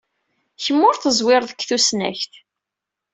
Kemm ur teẓwireḍ deg tusnakt.